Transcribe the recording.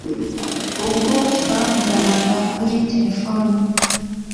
ubwo twavuganaga kuri terefone,